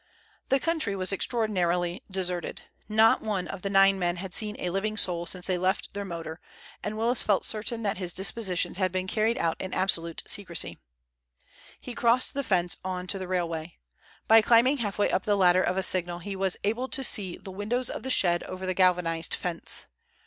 The country was extraordinarily deserted. Not one of the nine men had seen a living soul since they left their motor, and Willis felt certain that his dispositions had been carried out in absolute secrecy. He crossed the fence on to the railway. By climbing half way up the ladder of a signal he was able to see the windows of the shed over the galvanized fence.